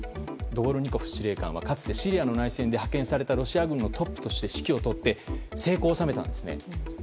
ドボルニコフ司令官はかつてシリアの内戦で派遣されたロシア軍のトップとして指揮を執って成功を収めたんですね。